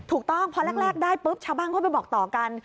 ถูกต้องพอแรกได้ปุ๊บชาวบ้านเข้าไปบอกต่อกัน